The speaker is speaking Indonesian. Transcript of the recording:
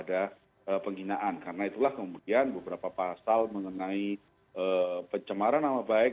dan sudah menjurus pada penghinaan karena itulah kemudian beberapa pasal mengenai pencemaran nama baik